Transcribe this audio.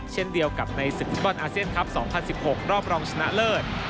เช่นเดียวกับในศึกฟุตบอลอาเซียนครับ๒๐๑๖รอบรองชนะเลิศ